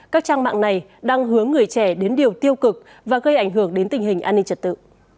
các trang mạng này đang hướng người trẻ đến điều tiêu cực và gây ảnh hưởng đến tình hình an ninh trật tự